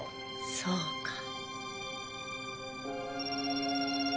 そうか。